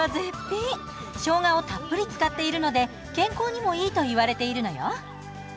生姜をたっぷり使っているので健康にもいいと言われているのよ。